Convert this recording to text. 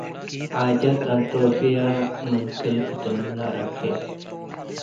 ዐጨት አልጦብየ ምን ክል ክትም ለረኬ